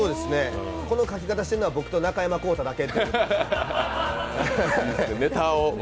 この書き方しているのは僕と中山功太だけ。